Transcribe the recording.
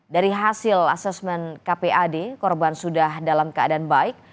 dari hasil asesmen kpad korban sudah dalam keadaan baik